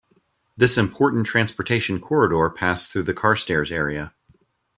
This important transportation corridor passed through the Carstairs area.